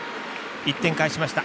１点返しました。